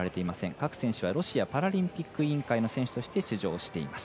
各選手はロシアパラリンピック委員会の選手として出場しています。